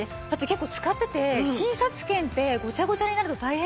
結構使ってて診察券ってごちゃごちゃになると大変じゃないですか。